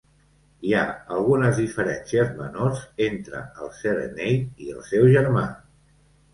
Hi ha algunes diferències menors entre el "Serenade" i el seu germà.